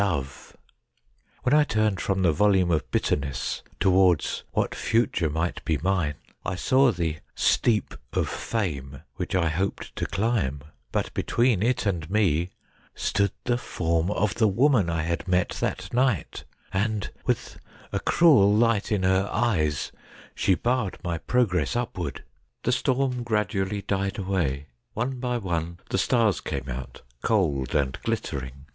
When I turned from the volume of bitterness towards what future might be mine, I saw the ' Steep of Fame,' which I hoped to climb, but between it and me stood the form of the Avoman I had met that night, and, with a cruel light in her eyes, she barred my progress upward. The storm gradually died away. One by one the stars came out, cold and glittering.